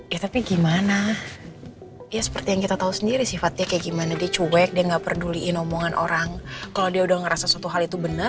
ya tapi gimana ya seperti yang kita tahu sendiri sifatnya kayak gimana dia cuek dia gak peduliin omongan orang kalau dia udah ngerasa suatu hal itu benar